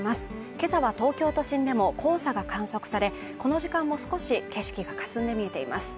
今朝は東京都心でも黄砂が観測され、この時間も少し景色がかすんで見えています。